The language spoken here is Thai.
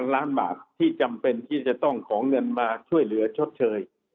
ล้านบาทที่จำเป็นที่จะต้องขอเงินมาช่วยเหลือชดเชย